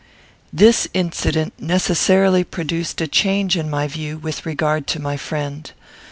This incident necessarily produced a change in my views with regard to my friend.